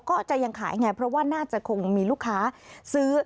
ก็จะยังขายไงเพราะว่าน่าจะคงมีลูกค้าซื้อ